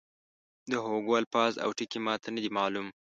د هوګو الفاظ او ټکي ما ته نه دي معلوم.